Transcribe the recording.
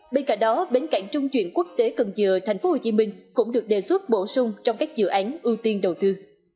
bên cạnh đó bến cảng trung chuyển quốc tế cần dừa tp hcm cũng được đề xuất bổ sung trong các dự án ưu tiên đầu tư